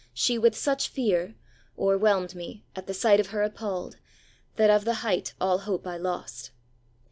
She with such fear O'erwhelmed me, at the sight of her appalled, That of the height all hope I lost.